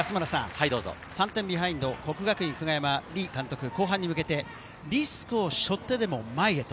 ３点ビハインド、國學院久我山、リ監督、後半に向けて、リスクを背負ってでも前へと。